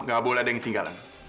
gak boleh ada yang ketinggalan